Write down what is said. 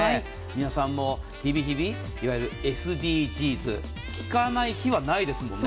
皆さんも日々日々いわゆるＳＤＧｓ聞かない日はないですよね。